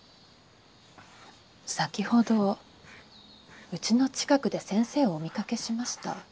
先ほどうちの近くで先生をお見かけしました。